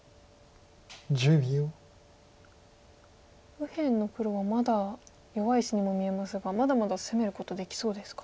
右辺の黒はまだ弱い石にも見えますがまだまだ攻めることできそうですか。